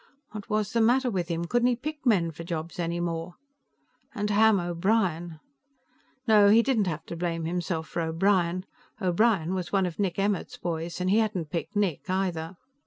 What was the matter with him; couldn't he pick men for jobs any more? And Ham O'Brien! No, he didn't have to blame himself for O'Brien. O'Brien was one of Nick Emmert's boys. And he hadn't picked Nick, either.